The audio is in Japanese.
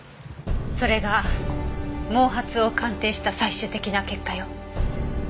それが毛髪を鑑定した最終的な結果よ。